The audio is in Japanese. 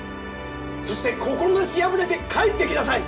そして志破れて帰ってきなさい！